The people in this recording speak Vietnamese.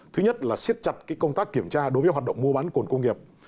thứ nhất là siết chặt công tác kiểm tra đối với hoạt động mua bán cồn công nghiệp